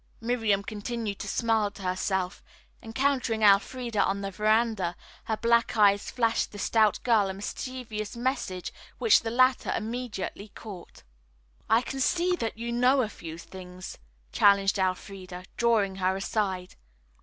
Miriam continued to smile to herself. Encountering Elfreda on the veranda, her black eyes flashed the stout girl a mischievous message which the latter immediately caught. "I can see that you know a few things," challenged Elfreda, drawing her aside.